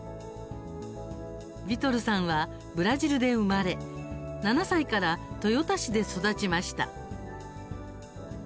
ヴィトルさんはブラジルで生まれ７歳から豊田市で育ちました。